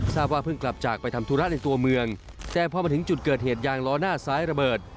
ว่าเพิ่งกลับจากไปทำธุระในตัวเมืองแต่พอมาถึงจุดเกิดเหตุยางล้อหน้าซ้ายระเบิด